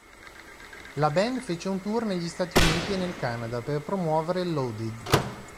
La band fece un tour negli Stati Uniti e nel Canada per promuovere "Loaded".